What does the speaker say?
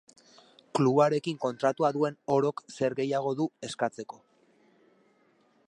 Klubarekin kontratua duen orok zer gehiago du eskatzeko.